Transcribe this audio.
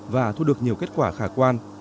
và thu được nhiều kết quả khả quan